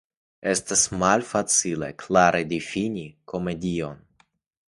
Estas malfacile klare difini komedion.